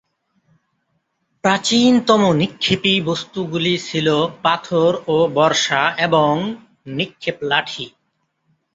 প্রাচীনতম নিক্ষেপী বস্তুগুলি ছিল পাথর ও বর্শা, এবং নিক্ষেপ লাঠি।